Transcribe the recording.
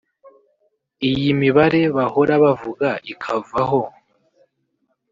iyi mibare bahora bavuga ikavaho